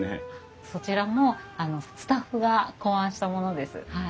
そちらもスタッフが考案したものです。